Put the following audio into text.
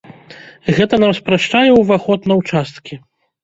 Гэта нам спрашчае ўваход на ўчасткі.